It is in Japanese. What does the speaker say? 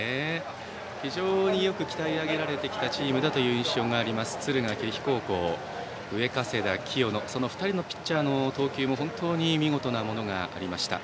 非常によく鍛え上げられてきた印象がある敦賀気比高校上加世田、清野その２人のピッチャーの投球も本当に見事なものがありました。